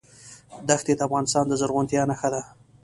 دښتې د افغانستان د زرغونتیا نښه ده.